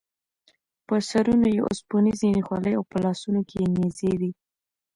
په سرونو یې اوسپنیزې خولۍ او په لاسونو کې یې نیزې وې.